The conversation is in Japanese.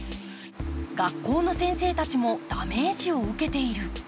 学校の先生たちもダメージを受けている。